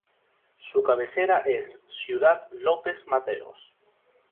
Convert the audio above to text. Su cabecera es Ciudad López Mateos.